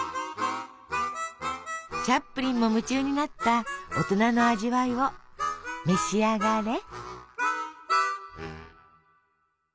チャップリンも夢中になった大人の味わいを召し上がれ。